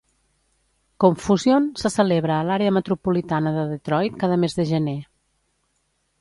ConFusion se celebra a l'àrea metropolitana de Detroit cada mes de gener.